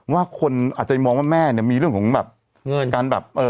ว่าคนอาจจะมองว่าแม่เนี่ยมีเรื่องของแบบเงินการแบบเอ่อ